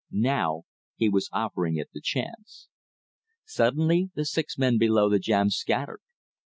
Now he was offering it the chance. Suddenly the six men below the jam scattered.